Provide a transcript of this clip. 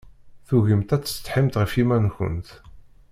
Tugimt ad tsetḥimt ɣef yiman-nkent.